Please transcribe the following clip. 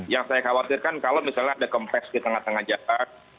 yang saya khawatirkan kalau misalnya ada kompes di tengah tengah jalan